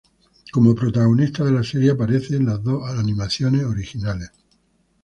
Como protagonista de la serie, aparece en las dos animaciones originales.